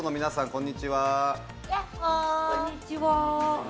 こんにちは。